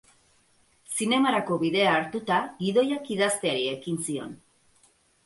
Zinemarako bidea hartuta, gidoiak idazteari ekin zion.